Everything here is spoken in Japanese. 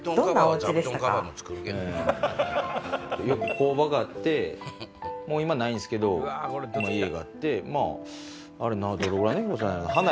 工場があってもう今ないんすけど家があってあれどれぐらいの広さやろな？